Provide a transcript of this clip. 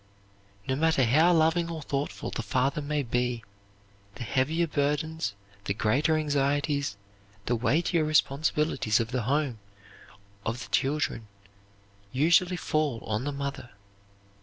No matter how loving or thoughtful the father may be, the heavier burdens, the greater anxieties, the weightier responsibilities of the home, of the children, usually fall on the mother.